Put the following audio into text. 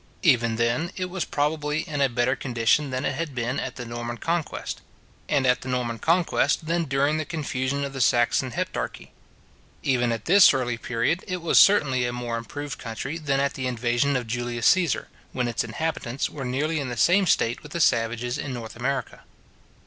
Even then it was, probably, in a better condition than it had been at the Norman conquest: and at the Norman conquest, than during the confusion of the Saxon heptarchy. Even at this early period, it was certainly a more improved country than at the invasion of Julius Caesar, when its inhabitants were nearly in the same state with the savages in North America.